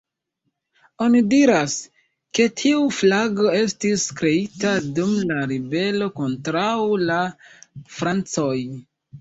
Oni diras, ke tiu flago estis kreita dum la ribelo kontraŭ la francoj.